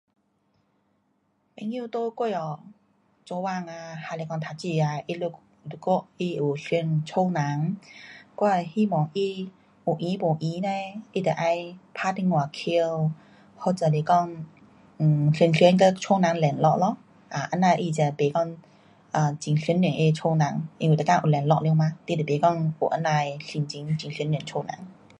朋友在国外做工啊，还是讲读书啊，他们如果他有想家人，我会希望他有空没空嘞，他就要打电话回。或者是讲常常跟家人联络咯，um 这样他才不讲很想念家人。因为每天有联络了嘛，你就不讲有这样的心情很想念家人。